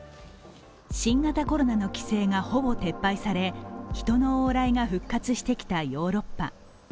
新型コロナの規制がほぼ撤廃され、人の往来が復活してきたヨーロッパ。